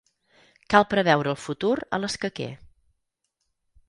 Cal preveure el futur a l'escaquer.